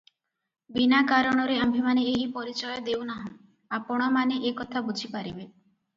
ବିନା କାରଣରେ ଆମ୍ଭେମାନେ ଏହି ପରିଚୟ ଦେଉ ନାହୁଁ, ଆପଣମାନେ ଏ କଥା ବୁଝିପାରିବେ ।